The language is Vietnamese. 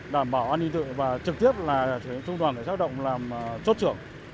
đảm bảo an ninh tự và trực tiếp là trung đoàn xác động làm chốt trưởng